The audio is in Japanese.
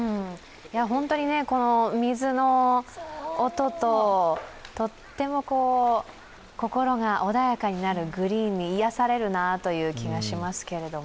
水の音と、とっても心が穏やかになるグリーンに癒やされるなという気がしますけれども。